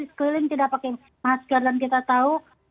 sekeliling tidak pakai masker dan kita tahu